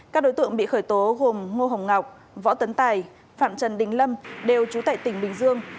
các đối tượng bị khởi tố gồm ngô hồng ngọc võ tấn tài phạm trần đình lâm đều trú tại tỉnh bình dương